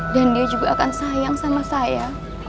dan dia juga akan sayang sama saya